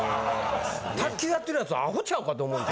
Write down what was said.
卓球やってるやつはアホちゃうかと思うと。